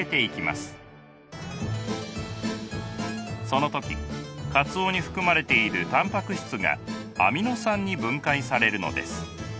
その時かつおに含まれているたんぱく質がアミノ酸に分解されるのです。